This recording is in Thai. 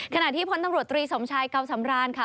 ขณะที่พลตำรวจตรีสมชายเก่าสำรานค่ะ